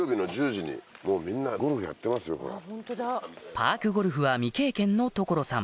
パークゴルフは未経験の所さん